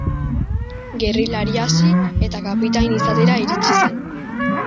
Gerrilari hasi, eta kapitain izatera iritsi zen.